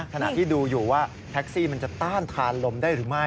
ขณะที่ดูอยู่ว่าแท็กซี่มันจะต้านทานลมได้หรือไม่